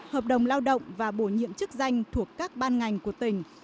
hợp đồng lao động và bổ nhiệm chức danh thuộc các ban ngành của tỉnh